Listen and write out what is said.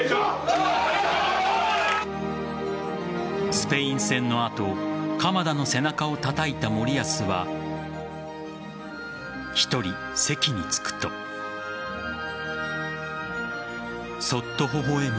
スペイン戦の後鎌田の背中をたたいた森保は１人、席に着くとそっとほほ笑む